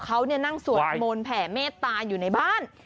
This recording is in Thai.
เขานั่งสวดมนต์แผ่เมตตาอยู่ในบ้าน